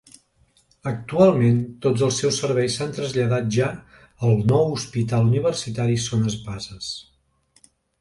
Actualment tots els seus Serveis s'han traslladat ja al nou Hospital Universitari Son Espases.